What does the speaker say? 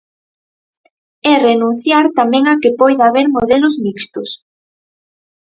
É renunciar tamén a que poida haber modelos mixtos.